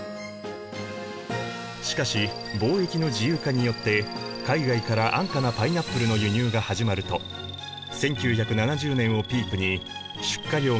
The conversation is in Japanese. しかし貿易の自由化によって海外から安価なパイナップルの輸入が始まると１９７０年をピークに出荷量が徐々に減少。